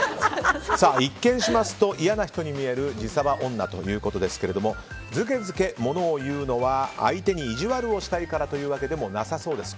一見しますと嫌な人に見える自サバ女ということですがずけずけものを言うのは相手に意地悪をしたいからというわけでもなさそうです。